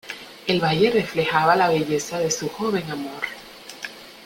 El valle reflejaba la belleza de su joven amor.